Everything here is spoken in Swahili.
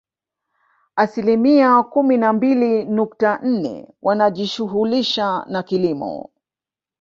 Asilimia kumi na mbili nukta nne wanajishughulisha na kilimo